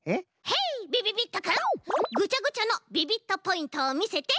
ヘイびびびっとくんぐちゃぐちゃのビビットポイントをみせて。